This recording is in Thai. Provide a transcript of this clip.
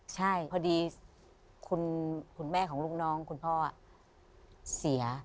ใช่พอดีคุณแม่ของลูกน้องคุณพ่อเสีย